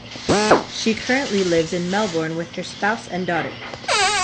She currently lives in Melbourne with her spouse and daughter.